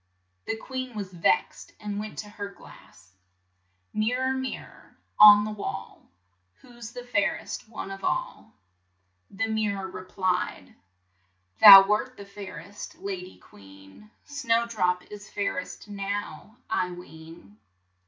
The queen was vexed and went to her glass :" Mir ror, mir ror on the wall, Who's the fair est one of all?" The mir ror re plied : "Thou wert the fair est la dy queen; Snow drop is fair est now, I ween."